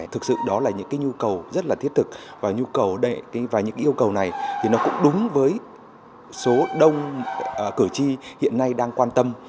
thực sự đó là những nhu cầu rất là thiết thực và những yêu cầu này thì nó cũng đúng với số đông cử tri hiện nay đang quan tâm